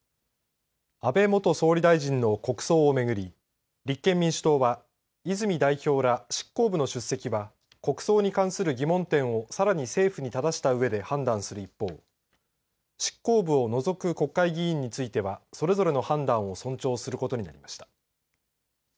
安倍元総理大臣の国葬を巡り立憲民主党は泉代表ら執行部の出席は国葬に関する疑問点をさらに政府にただしたうえで判断する一方執行部を除く国会議員についてはそれぞれの判断を尊重することになりました。